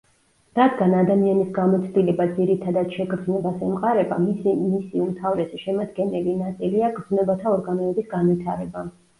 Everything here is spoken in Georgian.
რადგან ადამიანის გამოცდილება ძირითადად შეგრძნებას ემყარება, მისი მისი უმთავრესი შემადგენელი ნაწილია გრძნობათა ორგანოების განვითარება.